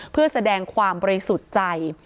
เพื่อแสดงความบริสุทธิ์ใจ